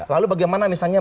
lalu bagaimana misalnya